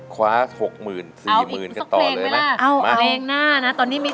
คว้า๖๐๐๐๐๔๐๐๐๐คือต่อเลยไหมมาอีกสักเพลงหน่าตอนนี้มี